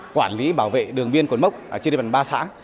quản lý bảo vệ đường biên quần mốc trên địa bản ba xã